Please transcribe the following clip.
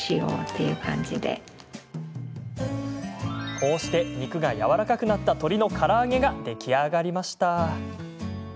こうして、肉がやわらかくなった鶏のから揚げが出来上がりました。